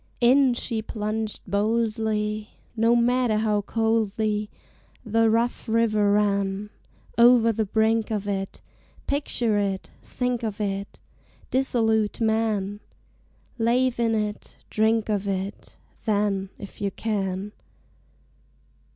In she plunged boldly, No matter how coldly The rough river ran Over the brink of it! Picture it think of it, Dissolute man! Lave in it, drink of it, Then, if you can!